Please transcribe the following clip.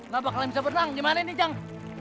kenapa kalian bisa berenang gimana ini jang